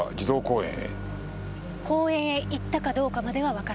公園へ行ったかどうかまではわからない。